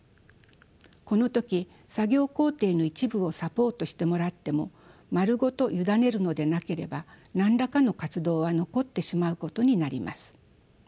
この時作業工程の一部をサポートしてもらっても丸ごと委ねるのでなければ何らかの活動は残ってしまうことになります。